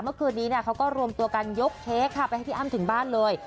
เมื่อคืนนี้เขาก็รวมตัวกันยกเค้กค่ะไปให้พี่อ้ำถึงบ้านเลย